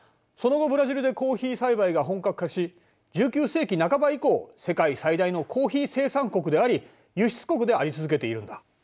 その後ブラジルでコーヒー栽培が本格化し１９世紀半ば以降世界最大のコーヒー生産国であり輸出国であり続けているんだ。